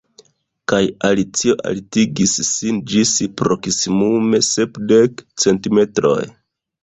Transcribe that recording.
Kaj Alicio altigis sin ĝis proksimume sepdek centimetroj.